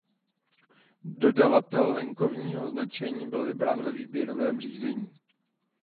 Dodavatel venkovního značení byl vybrán ve výběrovém řízení.